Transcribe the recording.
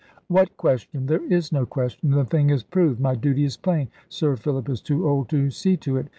"What question? There is no question. The thing is proved. My duty is plain. Sir Philip is too old to see to it.